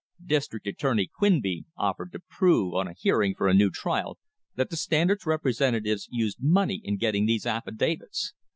District Attorney Quinby offered to prove on a hearing for a new trial that the Standard's representatives used money in getting these affidavits.